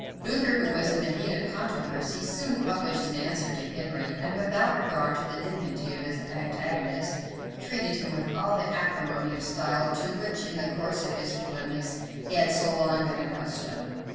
Luther, who was in the heat of controversy, soon published an answer to Henry; and, without regard to the dignity of his antagonist, treated him with all the acrimony of style to which, in the course of his polemics, he had so long been accustomed.